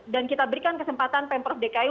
dan kita berikan kesempatan pemprov dki untuk memperbaiki